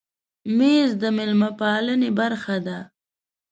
مېز د مېلمه پالنې برخه ده.